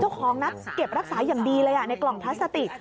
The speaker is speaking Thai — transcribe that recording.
เจ้าของนัดเก็บรักษาอย่างดีเลยในกล่องพลาสติก